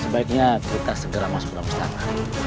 sebaiknya kita segera masuk dalam istana